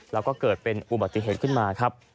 แล้วก็เกิดเป็นอุบัติเหตุขึ้นมาครับ